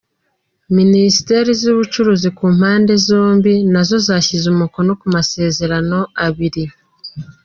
Ministeri z’ubucuruzi ku mpande zombi nazo zashyize umukono ku masezerano abiri:.